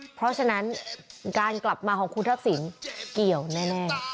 เพราะฉะนั้นการกลับมาของคุณทักษิณเกี่ยวแน่